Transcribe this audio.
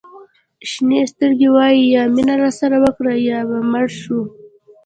شینې سترګې وایي یا مینه راسره وکړه یا به مړه شو.